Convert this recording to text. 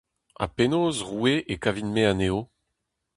Ha penaos, roue, e kavin-me anezho ?